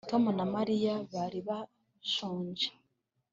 Tom na Mariya bari bashonje